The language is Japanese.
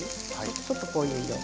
ちょっとこういう色。